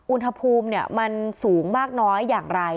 อุณหภูมิมันสูงมากน้อยอย่างไร